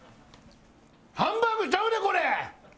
ハンバーグちゃうでこれ！